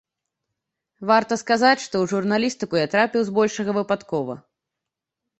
Варта сказаць, што ў журналістыку я трапіў збольшага выпадкова.